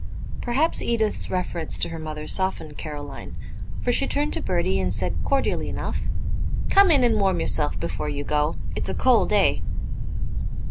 Perhaps Edith's reference to her mother softened Caroline, for she turned to Bertie and said cordially enough, "Come in, and warm yourself before you go. It's a cold day."